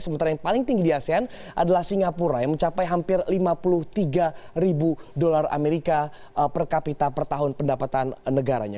sementara yang paling tinggi di asean adalah singapura yang mencapai hampir lima puluh tiga ribu dolar amerika per kapita per tahun pendapatan negaranya